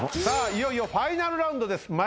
さあいよいよファイナルラウンドです。